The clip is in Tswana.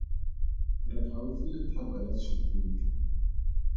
Re gaufi le thaba ya Tshukudu!